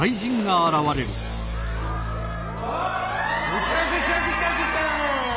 ぐちゃぐちゃぐちゃぐちゃ！